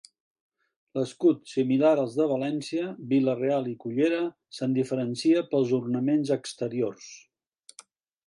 L'escut, similar als de València, Vila-real i Cullera, se'n diferencia pels ornaments exteriors.